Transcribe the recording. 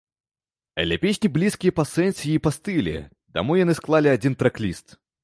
Але песні блізкія па сэнсе і па стылі, таму яны склалі адзін трэк-ліст.